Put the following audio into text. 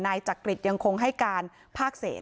จักริตยังคงให้การภาคเศษ